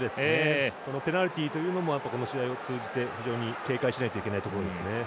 ペナルティというのもこの試合を通じて非常に警戒しないといけないところですね。